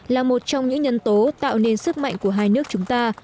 là một trong những nhân tố tạo nên sức mạnh của hai nước chúng ta